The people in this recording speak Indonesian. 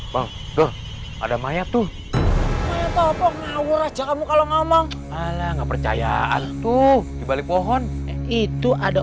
bangke ada mayat tuh ngomong ngomong ala nggak percayaan tuh dibalik pohon itu ada